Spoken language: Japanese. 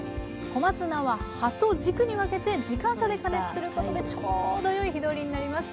小松菜は葉と軸に分けて時間差で加熱することでちょうどよい火通りになります。